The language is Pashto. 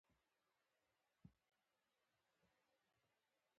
مستقبل ته په پښتو ژبه کې وستهرمهال ويل کيږي